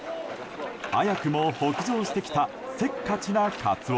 早くも北上してきたせっかちなカツオ。